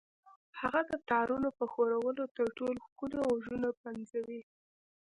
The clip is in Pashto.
هغه د تارونو په ښورولو تر ټولو ښکلي غږونه پنځوي